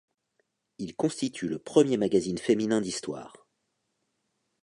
Il constitue le premier magazine féminin d'histoire.